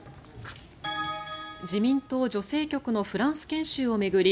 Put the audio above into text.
自民党女性局のフランス研修を巡り